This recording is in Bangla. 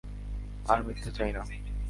আর মিথ্যা চাই না।